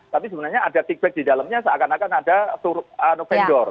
tapi sebenarnya ada feedback di dalamnya seakan akan ada vendor misalnya